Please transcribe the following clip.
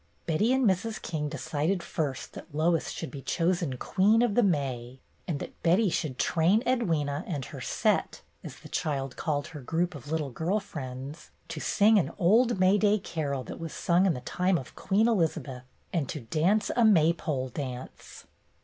Betty and Mrs. King decided first that Lois should be chosen Queen of the May, and that Betty should train Edwyna and her "set" — THE PICNIC 43 as the child called her group of little girl friends — to sing an old May day carol that was sung in the time of Queen Elizabeth, and to dance a May pole Dance.